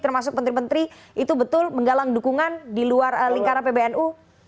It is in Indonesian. termasuk menteri menteri itu betul menggalang dukungan di luar lingkaran pbnu